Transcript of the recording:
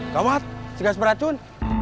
kamat segas beracun